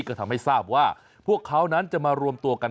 ก็ทำให้ทราบว่าพวกเขานั้นจะมารวมตัวกัน